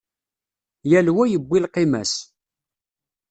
Yal wa yewwi lqima-s.